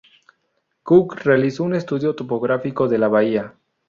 Cook realizó un estudio topográfico de la bahía.